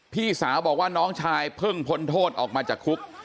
พี่สาวบอกว่าน้องชายเพิ่งพ้นโทษออกมาจากคุก